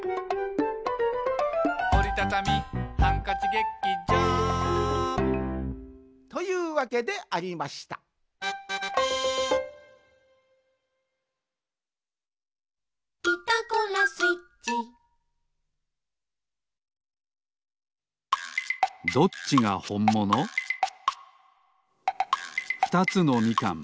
「おりたたみハンカチ劇場」というわけでありましたふたつのみかん。